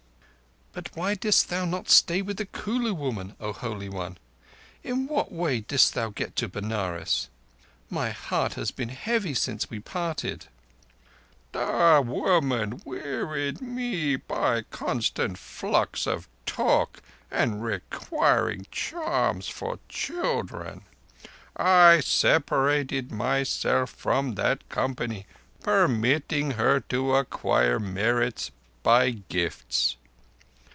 "But why didst thou not stay with the Kulu woman, O Holy One? In what way didst thou get to Benares? My heart has been heavy since we parted." "The woman wearied me by constant flux of talk and requiring charms for children. I separated myself from that company, permitting her to acquire merit by gifts.